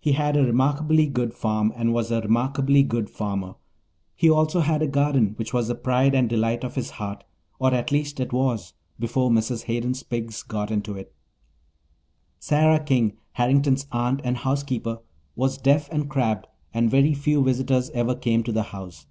He had a remarkably good farm and was a remarkably good farmer. He also had a garden which was the pride and delight of his heart or, at least, it was before Mrs. Hayden's pigs got into it. Sarah King, Harrington's aunt and housekeeper, was deaf and crabbed, and very few visitors ever came to the house.